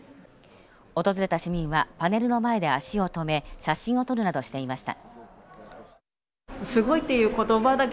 訪れた市民はパネルの前で足を止め写真を撮るなどしていました。